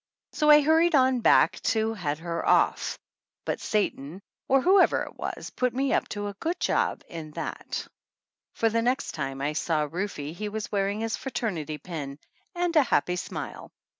So I hurried on back to head her off. But 19 THE ANNALS OF ANN Satan, or whoever it was, put me up to a good job in that, for the next time I saw Rufe he was wearing his fraternity pin and a happy smile.